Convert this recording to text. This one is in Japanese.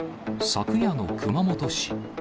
昨夜の熊本市。